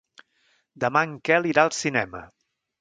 Demà en Quel irà al cinema.